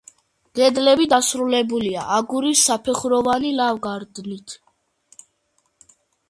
კედლები დასრულებულია აგურის, საფეხუროვანი ლავგარდნით.